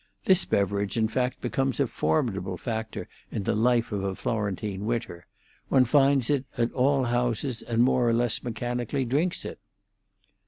This beverage, in fact, becomes a formidable factor in the life of a Florentine winter. One finds it at all houses, and more or less mechanically drinks it.